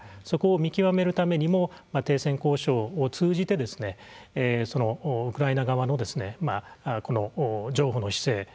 そこを見極めるためにも停戦交渉を通じてそのウクライナ側のこの譲歩の姿勢